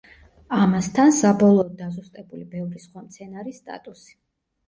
ამასთან, საბოლოოდ დაზუსტებული ბევრი სხვა მცენარის სტატუსი.